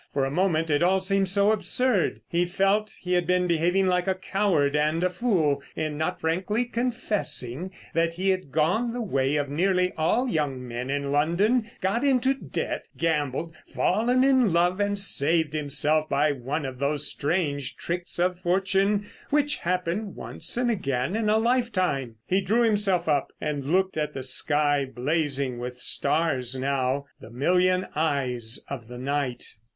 For a moment it all seemed so absurd. He felt he had been behaving like a coward and a fool in not frankly confessing that he had gone the way of nearly all young men in London, got into debt, gambled, fallen in love, and saved himself by one of those strange tricks of fortune which happen once and again in a lifetime. He drew himself up and looked at the sky blazing with stars now, the million eyes of the night.